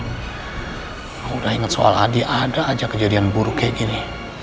aku udah inget soal adi ada aja kejadian buruk kayak gini